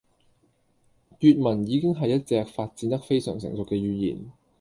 粵文已經係一隻發展得非常成熟嘅語言